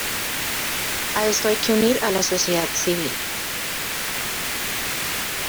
A esto hay que unir a la sociedad civil